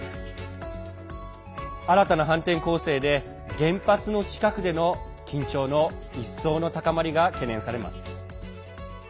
新たな反転攻勢で原発の近くでの緊張の一層の高まりが懸念されます。